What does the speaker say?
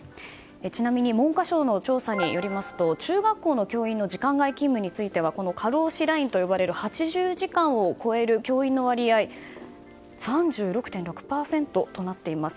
ちなみに文科省の調査によりますと中学校の教員の時間外勤務については過労死ラインと呼ばれる８０時間を超える教員の割合３６．６％となっています。